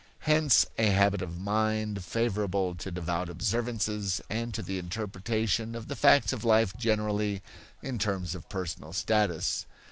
Hence a habit of mind favorable to devout observances and to the interpretation of the facts of life generally in terms of personal status.